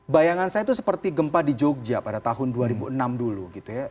bayangan saya itu seperti gempa di jogja pada tahun dua ribu enam dulu gitu ya